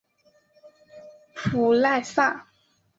普赖萨。